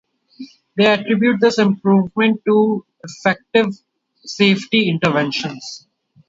They attribute this improvement to effective safety interventions.